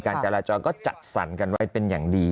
จราจรก็จัดสรรกันไว้เป็นอย่างดี